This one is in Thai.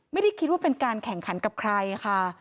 ไม่ได้คิดว่าเป็นการแข่งขันกับใครค่ะ